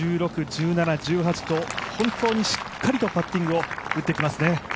１６、１７、１８と本当にしっかりとパッティングを打ってきますね。